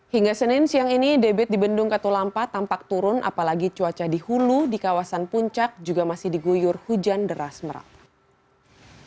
hingga senin siang ini debit di bendung katulampa tampak turun apalagi cuaca di hulu di kawasan puncak juga masih diguyur hujan deras merata